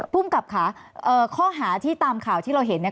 ภูมิกับค่ะข้อหาที่ตามข่าวที่เราเห็นเนี่ย